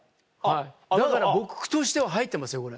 だから僕としては入ってますよこれ。